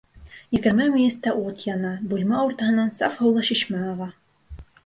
Егерме мейестә ут яна, бүлмә уртаһынан саф һыулы шишмә аға.